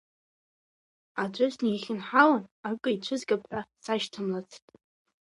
Аӡәы снихьынҳалан акы ицәызгап ҳәа сашьҭамлацт.